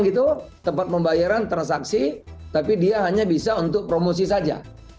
tidak sempat membayaran transaksi tapi dia hanya bisa untuk promosi saja